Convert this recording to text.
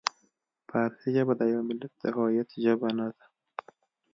فارسي ژبه د یوه ملت د هویت ژبه نه ده.